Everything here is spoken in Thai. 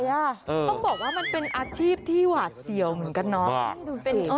ต้องบอกว่ามันเป็นอาชีพที่หวาดเสียวเหมือนกันเนาะ